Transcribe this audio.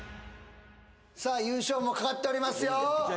さあ優勝も懸かっておりますよ